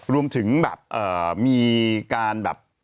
รวมถึงแบบมีการแบบ